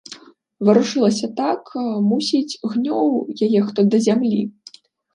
Варушылася так, мусіць, гнёў яе хто да зямлі.